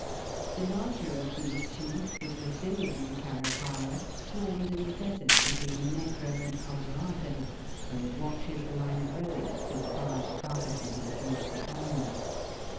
The larger of these two, the Brazilian Caracara swarms in the desert between the Negro and Colorado, where FALSE EAGLES. 241 it watches the line of road to devour the carcases of exhausted animals.